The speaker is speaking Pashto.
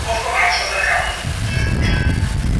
معشوق سلطانه